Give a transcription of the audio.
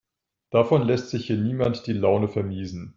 Davon lässt sich hier niemand die Laune vermiesen.